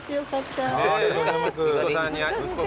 ありがとうございます。